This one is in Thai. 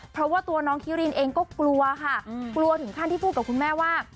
เพราะว่าตัวน้องคิรินเองก็กลัวค่ะกลัวถึงขั้นที่พูดกับคุณแม่ว่า